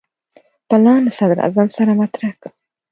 پلان له صدراعظم سره مطرح کړم.